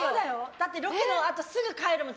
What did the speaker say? だってロケのあとすぐに帰るもん！